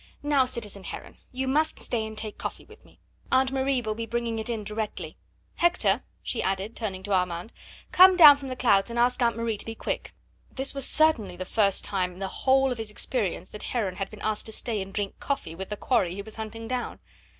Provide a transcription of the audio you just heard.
"Now, citizen Heron, you must stay and take coffee with me. Aunt Marie will be bringing it in directly. Hector," she added, turning to Armand, "come down from the clouds and ask Aunt Marie to be quick." This certainly was the first time in the whole of his experience that Heron had been asked to stay and drink coffee with the quarry he was hunting down.